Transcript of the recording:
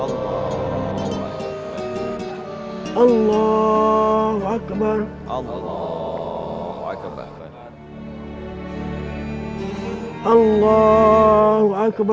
assalamualaikum warahmatullahi wabarakatuh